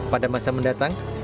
pada masa mendatang